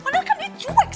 padahal kan dia cuek